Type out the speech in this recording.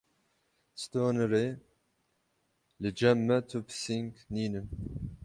Stonêrê: Li cem me tu pising nînin.